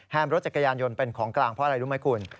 รถจักรยานยนต์เป็นของกลางเพราะอะไรรู้ไหมคุณ